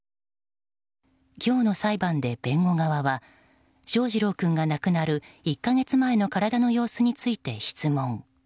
今日の裁判で弁護側は翔士郎君が亡くなる１か月前の体の様子について質問。